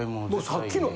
さっきの。